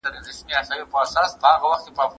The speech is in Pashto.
هغه د بې کفايته کسانو پر وړاندې زغم نه درلود.